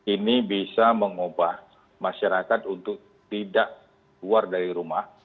ini bisa mengubah masyarakat untuk tidak keluar dari rumah